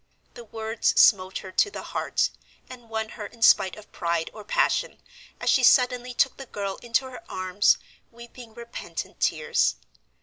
The words smote her to the heart and won her in spite of pride or passion, as she suddenly took the girl into her arms, weeping repentant tears.